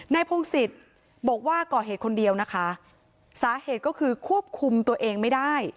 พงศิษย์บอกว่าก่อเหตุคนเดียวนะคะสาเหตุก็คือควบคุมตัวเองไม่ได้